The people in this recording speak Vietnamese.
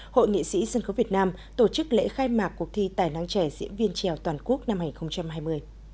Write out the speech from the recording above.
hội nghị sĩ sân khấu việt nam tổ chức lễ khai mạc cuộc thi tài năng trẻ diễn viên trèo toàn quốc năm hai nghìn hai mươi